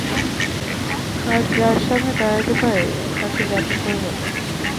আর যার সামনে দাঁড়াতে পারে না তাকে জাদুকর বলে।